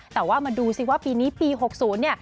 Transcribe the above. แต่ว่ามาดูสิว่าปีนี้ปี๖๐